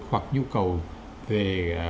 hoặc nhu cầu về